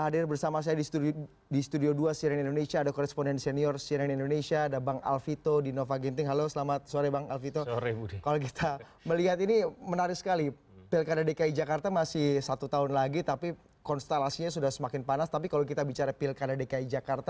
risma menjadi pembahasan kami dalam segmen editorial view berikut ini